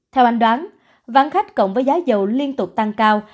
theo anh đoán vắng khách cộng với giá dầu liên tục tăng cao